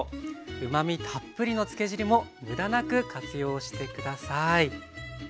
うまみたっぷりの漬け汁も無駄なく活用して下さい。